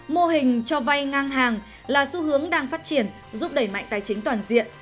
mô hình cho vay ngang hàng là xu hướng đang phát triển giúp đẩy mạnh tài chính toàn diện